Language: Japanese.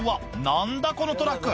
何だこのトラック